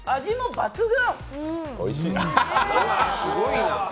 抜群！